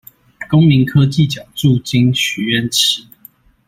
公民科技獎助金許願池